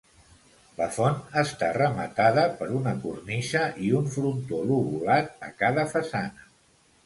La font està rematada per una cornisa i un frontó lobulat a cada façana.